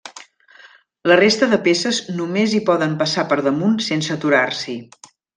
La resta de peces només hi poden passar per damunt sense aturar-s'hi.